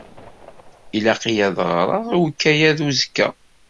Ilaq-iyi ad ɣreɣ i ukayad uzekka.